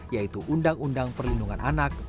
yaitu undang undang perlindungan anak